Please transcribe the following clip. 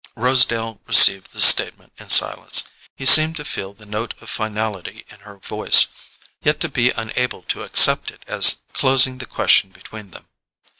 Rosedale received this statement in silence: he seemed to feel the note of finality in her voice, yet to be unable to accept it as closing the question between them.